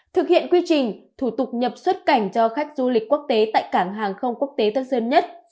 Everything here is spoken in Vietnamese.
thực hiện quy trình thủ tục nhập xuất cảnh cho khách du lịch quốc tế tại cảng hàng không quốc tế tân sơn nhất